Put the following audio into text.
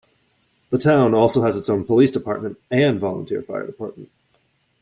The town also has its own Police Department and Volunteer Fire Department.